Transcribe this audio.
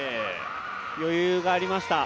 余裕がありました。